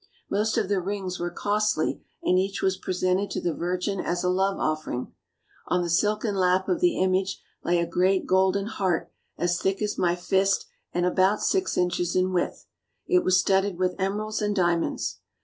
Most of the rings were costly and each was presented to the Virgin as a love offering. On the silken lap of the image lay a great golden heart as thick as my fist and about six inches in width. It was studded with emeralds and diamonds.